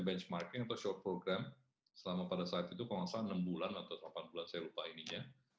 benchmarking atau show program selama pada saat itu kalau nggak salah enam bulan atau delapan bulan saya lupa ininya